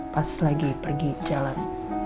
pas lagi pergi jalan